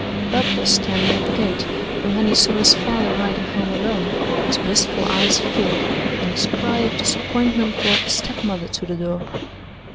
Bub was standing at the gate, and when he saw his father riding home alone, his wistful eyes filled and his cry of disappointment brought the step mother to the door.